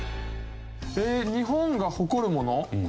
日本が誇るもの？